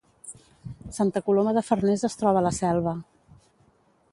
Santa Coloma de Farners es troba a la Selva